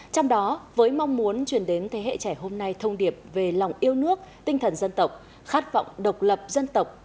trong đó với mong muốn truyền đến thế hệ trẻ hôm nay thông điệp về lòng yêu nước tinh thần dân tộc khát vọng độc lập dân tộc